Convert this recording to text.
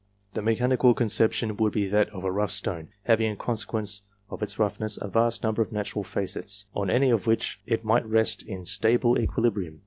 The mechanical conception would l)e that of a rough stone, having, in consequence of its roughness, a vast number of natural facets, on any one of which it might rest in " stable " equilibrium.